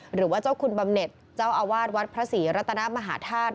หรือว่าเจ้าคุณบำเน็ตเจ้าอาวาสวัดพระศรีรัตนมหาธาตุ